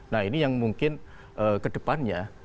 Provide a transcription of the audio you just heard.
nah ini yang mungkin ke depannya